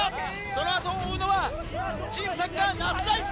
その後を追うのはチームサッカー那須大亮。